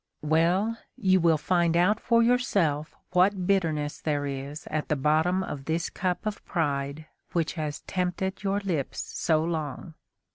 Well! you will find out for yourself what bitterness there is at the bottom of this cup of pride which has tempted your lips so long.